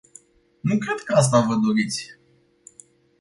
Nu cred că asta vă doriți.